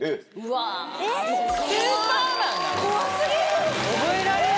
怖過ぎる！